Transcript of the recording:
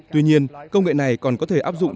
tuy nhiên công nghệ này còn có thể áp dụng